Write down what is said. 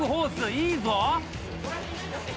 いいぞ！